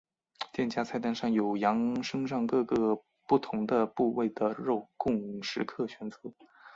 店家菜单上有羊身上各个不同的部位的肉供食客选择。